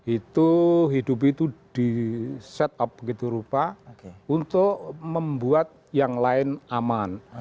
itu hidup itu di set up begitu rupa untuk membuat yang lain aman